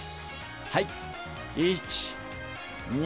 はい１２。